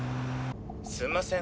すんません